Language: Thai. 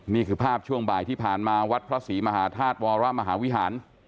นี่คือภาพช่วงบ่ายที่ผ่านมาวัดพระศรีมหาธาตุวรมหาวิหาร